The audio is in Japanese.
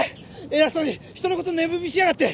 偉そうに人のこと値踏みしやがって！